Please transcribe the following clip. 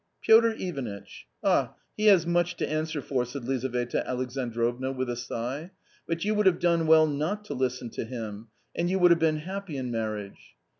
" Piotr Ivanitch 1 ah, he has much to answer for !" said Lizaveta Alexandrovna with a sigh ;" but you would have done well not to listen to him .... and you would have been happy in marriage."